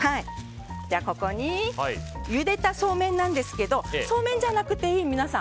ここにゆでたそうめんなんですけどそうめんじゃなくていい皆さん。